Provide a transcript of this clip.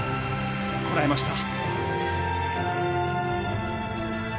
こらえました。